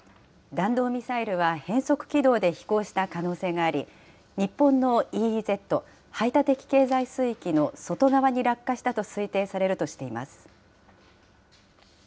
弾道ミサイルは変則軌道で飛行した可能性があり、日本のＥＥＺ・排他的経済水域の外側に落下したと推定されるとしています。